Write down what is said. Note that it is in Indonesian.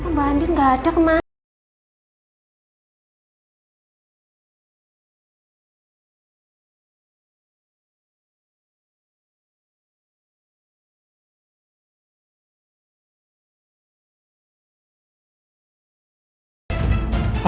mbak andin gak ada kemana